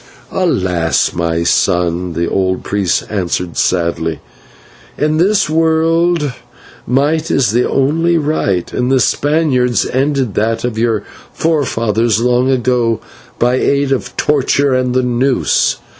"Alas! my son," the old priest answered sadly, "in this world might is the only right, and the Spaniards ended that of your forefathers long ago by aid of torture and the noose.